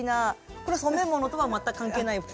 これ染め物とは全く関係ない服？